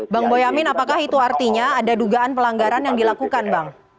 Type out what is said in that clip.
bang boyamin apakah itu artinya ada dugaan pelanggaran yang dilakukan bang